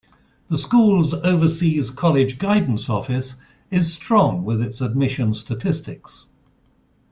The school's Overseas College Guidance Office is strong with its admission statistics.